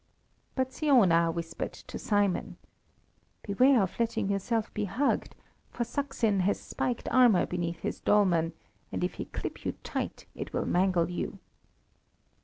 But Siona whispered to Simon. "Beware of letting yourself be hugged, for Saksin has spiked armour beneath his dolman, and if he clip you tight it will mangle you."